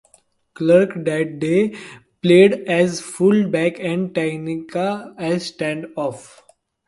Clarke that day played as full-back and Tanaka as stand-off.